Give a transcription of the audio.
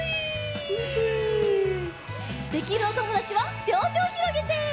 できるおともだちはりょうてをひろげて！